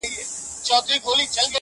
په اړه په طنزي ډول خبري کوي،